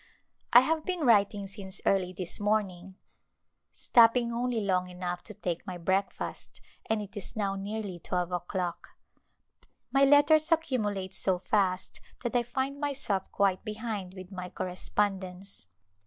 I have been writing since early this morning — stopping only long enough to take my breakfast — and it is now nearly twelve o'clock. My letters accumulate so fast that I find myself quite be hind with my correspondence.